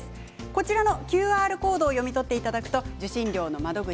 こちらのＱＲコードを読み取っていただくと受信料の窓口